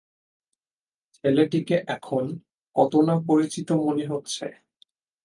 ছেলেটিকে এখন কত-না পরিচিত মনে হচ্ছে।